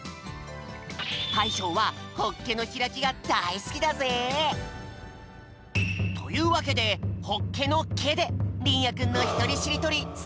たいしょうはほっけのひらきがだいすきだぜ！というわけでほっけの「け」でりんやくんのひとりしりとりけ。